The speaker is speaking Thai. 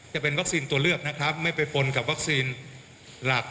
จะเป็นวัคซีนตัวเลือกนะครับไม่ไปปนกับวัคซีนหลัก